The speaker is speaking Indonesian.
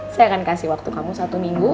saya akan kasih waktu kamu satu minggu